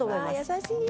優しい！